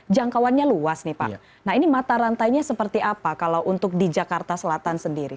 jangkauannya luas nih pak nah ini mata rantainya seperti apa kalau untuk di jakarta selatan sendiri